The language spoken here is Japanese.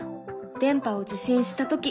「電波を受信したとき」。